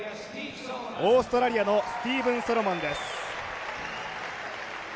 オーストラリアのスティーブン・ソロモンです。